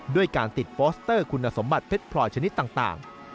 ด้วยการติดโปสเตอร์คุณสมบัติเพชรพลอยชนิดต่าง